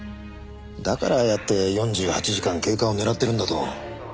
だからああやって４８時間経過を狙ってるんだと。